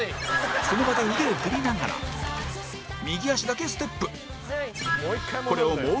その場で腕を振りながら右足だけステップ